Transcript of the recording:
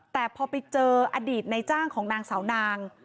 แต่พอไปเจออดีตในจ้างของนางสาวนาง